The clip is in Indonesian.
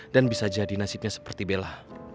dan bisa jadi nasibnya seperti bella